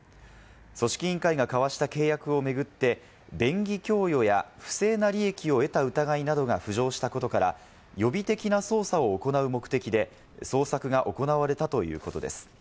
組織委員会が交わした契約を巡って、便宜供与や不正な利益を得た疑いなどが浮上したことから、予備的な捜査を行う目的で捜索が行われたということです。